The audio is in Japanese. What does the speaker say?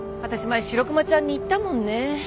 前白熊ちゃんに言ったもんね。